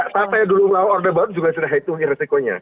saya dulu mau order ban juga sudah hitungi resikonya